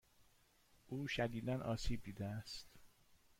او شدیدا آسیب دیده است.